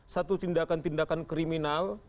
satu tindakan tindakan kriminal